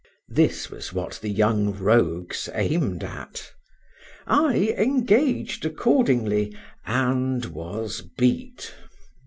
This was what the young rogues aimed at. I engaged accordingly, and was beat.